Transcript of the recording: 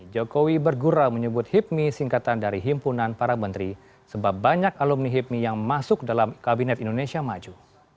jokowi bergura menyebut hipmi singkatan dari himpunan para menteri sebab banyak alumni hipmi yang masuk dalam kabinet indonesia maju